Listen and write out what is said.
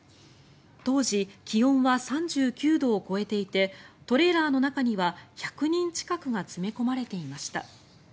当時、気温は３９度を超えていてトレーラーの中には１００人近くが詰め込まれていました。